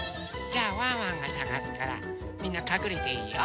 じゃあワンワンがさがすからみんなかくれていいよ。